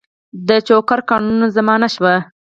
د چوکره ګانو زمانه شوه.